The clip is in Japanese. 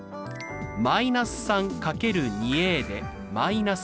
−３×２で−６。